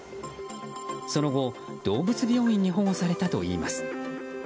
その後、動物病院に保護されたといいます。